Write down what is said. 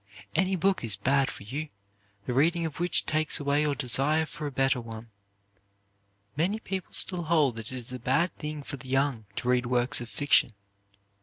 Any book is bad for you, the reading of which takes away your desire for a better one. Many people still hold that it is a bad thing for the young to read works of fiction.